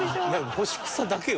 干し草だけを。